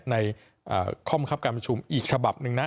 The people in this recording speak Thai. ในข้อบังคับการประชุมอีกฉบับหนึ่งนะ